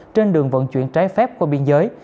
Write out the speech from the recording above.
trên đường vận chuyển trái phép qua biên giới